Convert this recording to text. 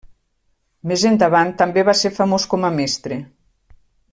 Més endavant també va ser famós com a mestre.